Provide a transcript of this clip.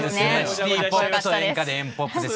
シティポップと演歌でＥｎ−ＰＯＰです。